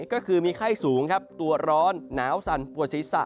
ก็คือมีไข้สูงครับตัวร้อนหนาวสั่นปวดศีรษะ